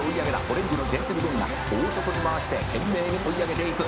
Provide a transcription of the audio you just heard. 「オレンジのジェンティルドンナ大外に回して懸命に追い上げていく。